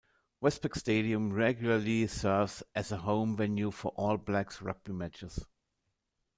Westpac Stadium regularly serves as a home venue for All Blacks rugby matches.